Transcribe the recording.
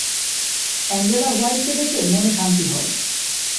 Angela হোয়াইটকে দেখে মনে শান্তি হয়।